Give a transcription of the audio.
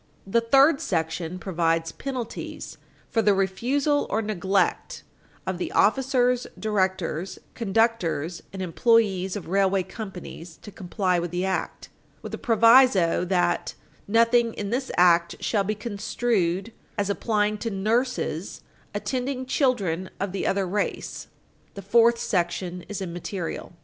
The third section provides penalties for the refusal or neglect of the officers, directors, conductors, and employees of railway companies to comply with the act, with a proviso that "nothing in this act shall be construed as applying to nurses attending children of the other race." The fourth section is immaterial.